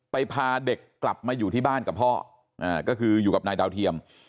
พาเด็กกลับมาอยู่ที่บ้านกับพ่อก็คืออยู่กับนายดาวเทียม